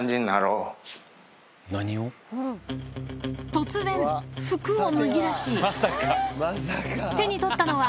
突然服を脱ぎ出し手に取ったのは